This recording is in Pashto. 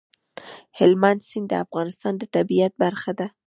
هلمند سیند د افغانستان د طبیعت برخه ده.